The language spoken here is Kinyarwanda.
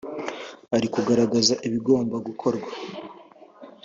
ari ukugaragaza ibigomba gukorwa